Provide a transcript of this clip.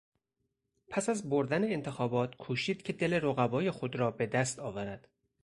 پس از بردن انتخابات کوشید که دل رقبای خود را به دست آورد.